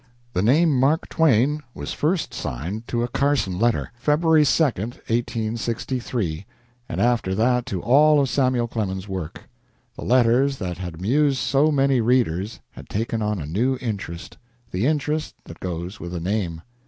The name Mark Twain was first signed to a Carson letter, February 2, 1863, and after that to all of Samuel Clemens's work. The letters that had amused so many readers had taken on a new interest the interest that goes with a name.